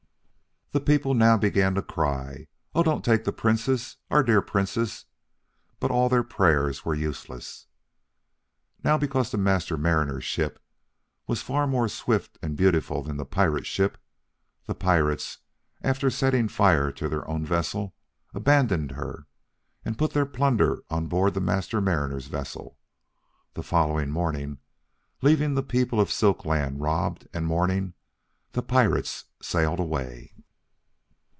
The people now began to cry, "Oh, don't take the Princess, our dear Princess!" But all their prayers were useless. Now, because the Master Mariner's ship was far more swift and beautiful than the pirate ship, the pirates, after setting fire to their own vessel, abandoned her, and put their plunder on board the Master Mariner's vessel. The following morning, leaving the people of Silk Land robbed and mourning, the pirates sailed away.